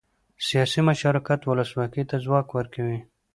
سیاسي مشارکت ولسواکۍ ته ځواک ورکوي